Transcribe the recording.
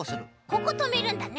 こことめるんだね。